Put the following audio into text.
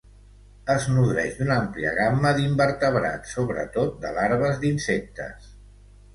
Es nodreix d'una àmplia gamma d'invertebrats, sobretot de larves d'insectes.